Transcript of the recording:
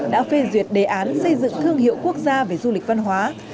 đã phê duyệt đề án xây dựng thương hiệu quốc gia về du lịch văn hóa